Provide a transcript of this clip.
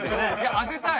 当てたい。